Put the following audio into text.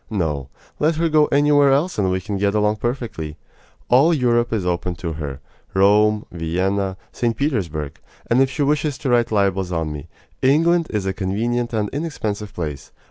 No, let her go anywhere else and we can get along perfectly. All Europe is open to her Rome, Vienna, St. Petersburg; and if she wishes to write libels on me, England is a convenient and inexpensive place.